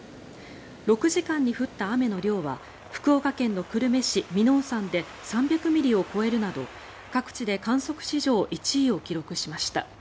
６時間に降った雨の量は福岡県の久留米市・耳納山で３００ミリを超えるなど各地で観測史上１位を記録しました。